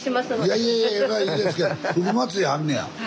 いやいやいやいいですけどフグ祭りあんねや。